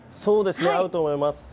合うと思います。